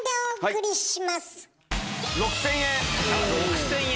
６，０００円。